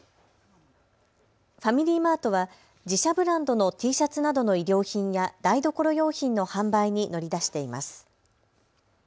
ファミリーマートは自社ブランドのＴシャツなどの衣料品や台所用品の販売に乗り出しています。